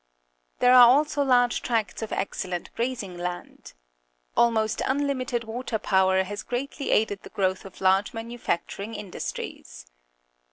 There are also large tracts of excellent grazing land. Almost unlimited water power has greatly aided the growth of large manufacturing industries.